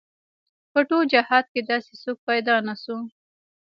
په ټول جهاد کې داسې څوک پيدا نه شو.